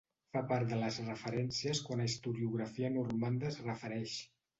Fa part de les referències quant a historiografia normanda es refereix.